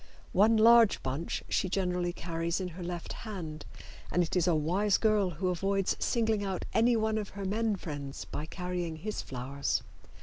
One large bunch she generally carries in her left hand, and it is a wise girl who avoids singling out anyone of her men friends by carrying his flowers.